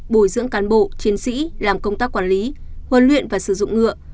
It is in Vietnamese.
bồi dưỡng cán bộ chiến sĩ làm công tác quản lý huấn luyện và sử dụng ngựa